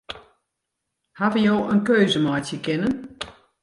Hawwe jo in keuze meitsje kinnen?